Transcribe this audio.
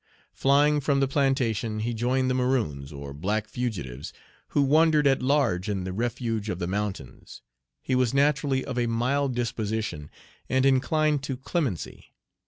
Flying from the plantation, he joined the maroons, or black fugitives, who wandered at large in the refuge of the mountains. He was naturally of a mild disposition, and inclined to clemency.